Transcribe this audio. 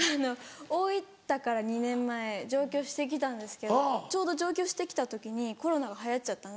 大分から２年前上京して来たんですけどちょうど上京して来た時にコロナが流行っちゃったんで。